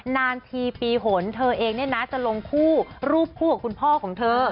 นานทีปีหนเธอเองเนี่ยนะจะลงคู่รูปคู่กับคุณพ่อของเธอ